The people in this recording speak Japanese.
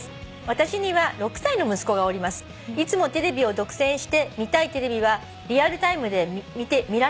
「私には６歳の息子がおります」「いつもテレビを独占して見たいテレビはリアルタイムで見られません」